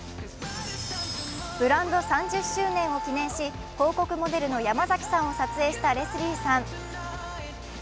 ブランド３０周年を記念し広告モデルの山崎さんを撮影したレスリーさん。